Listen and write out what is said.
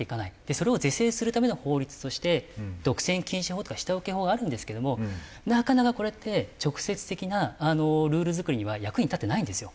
それを是正するための法律として独占禁止法とか下請法があるんですけどもなかなかこれって直接的なルール作りには役に立ってないんですよ。